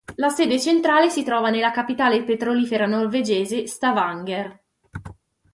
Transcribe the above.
La sede centrale si trova nella capitale petrolifera norvegese, Stavanger.